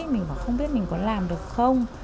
mình không biết mình có làm được không